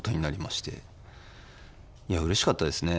いやうれしかったですね。